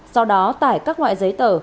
sau đó tải các loại giấy tờ